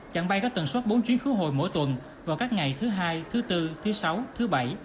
chặng bay có tần suất bốn chuyến khứ hồi mỗi tuần vào các ngày thứ hai thứ bốn thứ sáu thứ bảy